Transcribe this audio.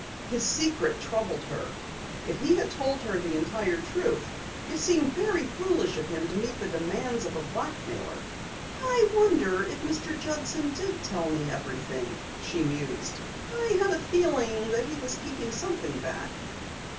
His secret troubled her. If he had told her the entire truth, it seemed very foolish of him to meet the demands of a blackmailer. "I wonder if Mr. Judson did tell me everything?" she mused. "I had a feeling that he was keeping something back."